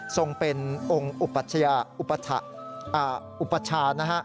ทรงเป็นองค์อุปัชชา